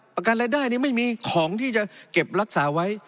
ประกันรายได้ไม่มีของที่จะเก็บรักษาไว้